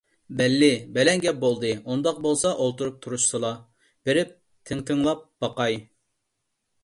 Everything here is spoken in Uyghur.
بەللى! بەلەن گەپ بولدى! ئۇنداق بولسا ئولتۇرۇپ تۇرۇشسىلا، بېرىپ تىڭ تىڭلاپ باقاي.